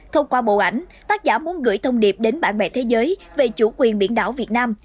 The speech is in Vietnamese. thông qua bộ ảnh tác giả muốn gửi thông điệp đến bạn bè thế giới về chủ quyền biển đảo việt nam